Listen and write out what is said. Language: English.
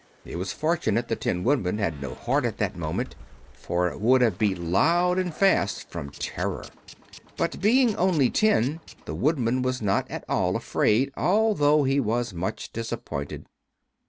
It was fortunate the Tin Woodman had no heart at that moment, for it would have beat loud and fast from terror. But being only tin, the Woodman was not at all afraid, although he was much disappointed.